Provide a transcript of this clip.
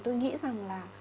i nghĩ rằng là